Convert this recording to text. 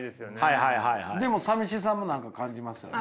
でもさみしさも何か感じますよね。